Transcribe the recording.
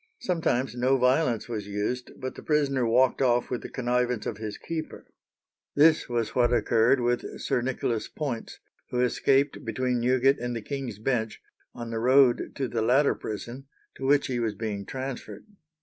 Sometimes no violence was used, but the prisoner walked off with the connivance of his keeper. This was what occurred with Sir Nicholas Poyntz, who escaped between Newgate and the King's Bench, on the road to the latter prison, to which he was being transferred.